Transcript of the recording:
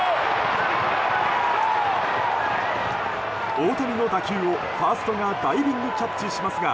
大谷の打球を、ファーストがダイビングキャッチしますが。